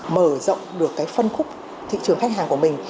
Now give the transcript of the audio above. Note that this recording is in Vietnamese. mở rộng được cái phân khúc thị trường khách hàng của mình